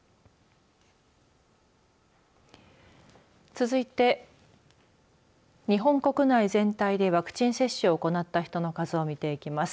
続いて日本国内全体でワクチン接種を行った人の数を見ていきます。